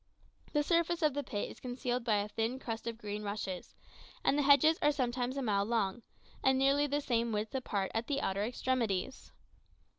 The surface of the pit is concealed by a thin crust of green rushes, and the hedges are sometimes a mile long, and nearly the same width apart at the outer extremities.